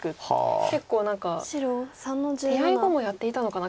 結構何か手合後もやっていたのかな